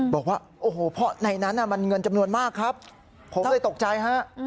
บอกว่าโอ้โหเพราะในนั้นมันเงินจำนวนมากครับผมเลยตกใจฮะ